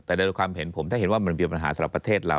แต่ในความเห็นผมถ้าเห็นว่ามันมีปัญหาสำหรับประเทศเรา